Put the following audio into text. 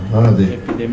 nó là gì